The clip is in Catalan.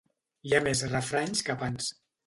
Hi ha més refranys que pans.